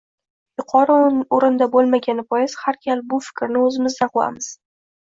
– yuqori o‘rinda bo‘lmagani bois har gal bu fikrni o‘zimizdan quvamiz.